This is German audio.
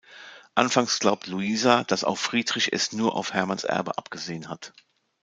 Anfangs glaubt Luisa, dass auch Friedrich es nur auf Hermanns Erbe abgesehen hat.